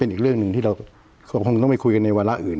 เป็นอีกเรื่องนึงที่เราคงต้องคุยกันในวัละอื่น